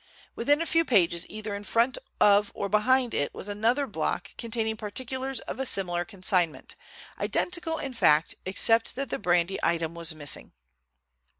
Within a few pages either in front of or behind it was another block containing particulars of a similar consignment, identical, in fact, except that the brandy item was missing.